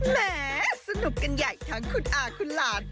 แหมสนุกกันใหญ่ทั้งคุณอาคุณหลาน